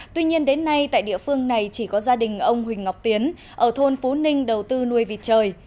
tuy nhiên đến nay tại địa phương này chỉ có gia đình ông huỳnh ngọc tiến ở thôn phú ninh đầu tư nuôi vịt trời